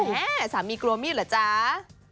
แหมสามีกลัวมี่อยู่แหละจ้า